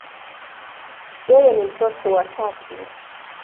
Yeye ni mtoto wa tatu.